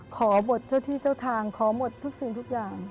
ขอบทเจ้าที่เจ้าทางขอหมดทุกสิ่งทุกอย่าง